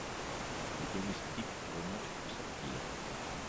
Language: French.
Les domestiques remontent pour sortir.